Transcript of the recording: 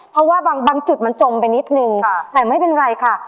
เพราะว่าบางจุดมันจมไปนิดนึงแต่ไม่เป็นไรค่ะ